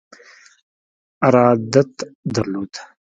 ارادت درلود.